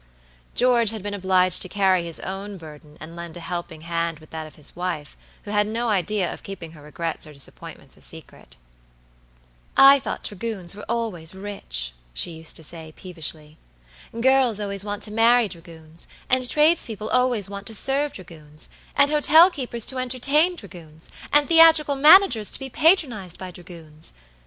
George had been obliged to carry his own burden and lend a helping hand with that of his wife, who had no idea of keeping her regrets or disappointments a secret. "I thought dragoons were always rich," she used to say, peevishly. "Girls always want to marry dragoons; and tradespeople always want to serve dragoons; and hotel keepers to entertain dragoons; and theatrical managers to be patronized by dragoons.